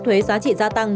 thuế giá trị gia tăng